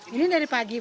ini dari pagi bu